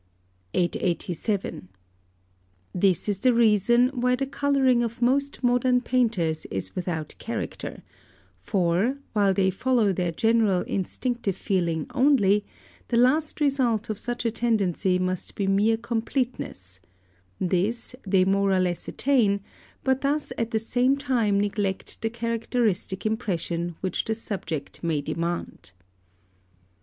887. This is the reason why the colouring of most modern painters is without character, for, while they follow their general instinctive feeling only, the last result of such a tendency must be mere completeness; this, they more or less attain, but thus at the same time neglect the characteristic impression which the subject might demand.